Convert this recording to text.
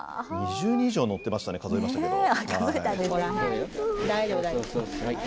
２０人以上乗ってましたね、数えましたけど。